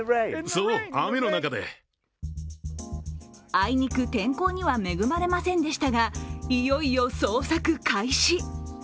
あいにく天候には恵まれませんでしたが、いよいよ捜索開始。